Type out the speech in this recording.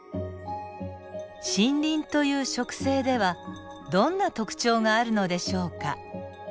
森林という植生ではどんな特徴があるのでしょうか？